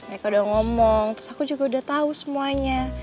aku udah ngomong terus aku juga udah tau semuanya